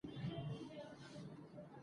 خان چې د چا دیرې ته ځي قدر یې وینه.